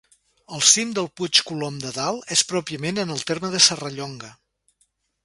El cim del Puig Colom de Dalt és pròpiament en el terme de Serrallonga.